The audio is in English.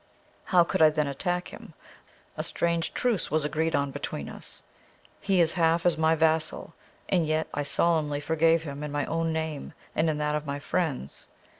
How could I then attack him? A strange truce was agreed on between us. He is half as my vassal, and yet I solemnly forgave him in my own name and in that of my friends.